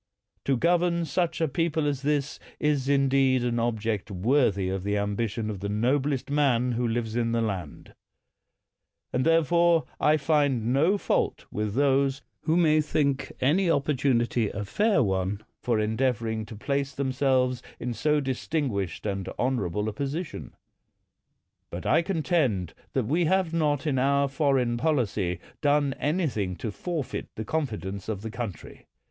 To govern such a people as this is indeed an object worthy of the ambition of the noblest man who lives in the land; and therefore I find no fault with those who may 198 PALMERSTON think any opportunity a fair one for endeavor ing to place themselves in so distinguished and honorable a position. But I contend that we have not in our foreign policy done anything to forfeit the confidence of the country.